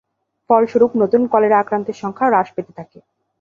ফলস্বরূপ, নতুন কলেরা আক্রান্তের সংখ্যা হ্রাস পেতে থাকে।